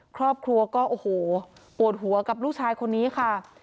ครอบครัวก็โอ้โหปวดหัวกับลูกชายคนนี้ค่ะ